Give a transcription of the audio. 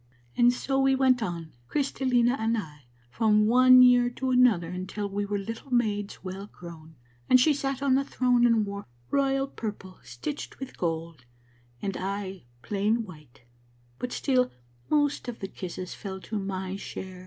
" And so we went on, Crystallina and I, from one year to another until we were little maids well grown, and she sat on the throne and wore royal purple stitched with gold, and I plain white; but still most of the kisses fell to my share.